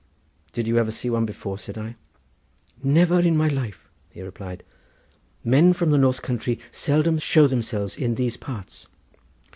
"Did you never see one before?" said I. "Never in my life," he replied: "men from the north country seldom show themselves in these parts."